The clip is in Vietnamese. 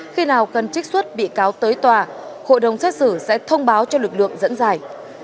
khi nào cần trích xuất bị cáo tới tòa hội đồng xét xử sẽ thông báo cho lực lượng dẫn dài